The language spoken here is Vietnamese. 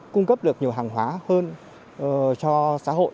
cung cấp được nhiều hàng hóa hơn cho xã hội